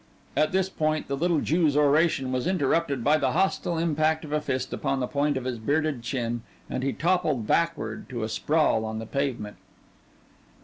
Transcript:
At this point the little Jew's oration was interrupted by the hostile impact of a fist upon the point of his bearded chin and he toppled backward to a sprawl on the pavement.